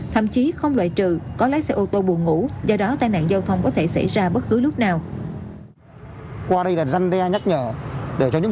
thậm chí không loại trừ có lái xe ô tô buồn ngủ do đó tai nạn giao thông có thể xảy ra bất cứ lúc nào